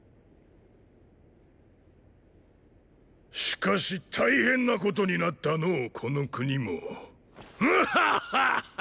しかし大変なことになったのォこの国も。ヌッハハハハ！